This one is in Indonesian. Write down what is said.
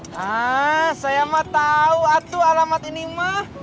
hah saya mah tahu atuh alamat ini mah